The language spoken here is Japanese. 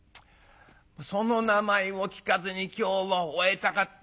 「その名前を聞かずに今日を終えたかったのに。